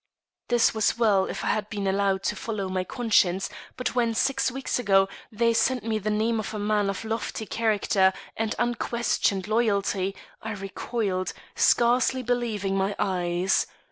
This was well, if I had been allowed to follow my conscience; but when, six weeks ago, they sent me the name of a man of lofty character and unquestioned loyalty, I recoiled, scarcely believing my eyes.